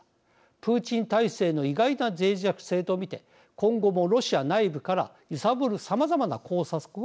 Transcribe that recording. プーチン体制の意外なぜい弱性と見て今後もロシア内部から揺さぶるさまざまな工作を続けるでしょう。